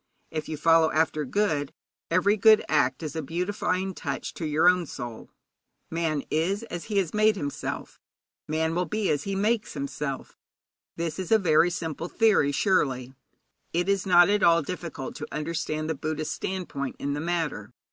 If you follow after good, every good act is a beautifying touch to your own soul. Man is as he has made himself; man will be as he makes himself. This is a very simple theory, surely. It is not at all difficult to understand the Buddhist standpoint in the matter.